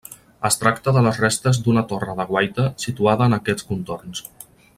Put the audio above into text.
Es tracta de les restes d'una torre de guaita situada en aquests contorns.